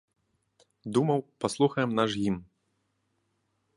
Думаў, паслухаем наш гімн.